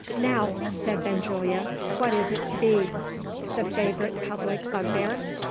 "Now," said Benjulia, "what is it to be? The favourite public bugbear?